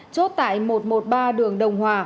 chốt tại một trăm một mươi ba đường đồng hòa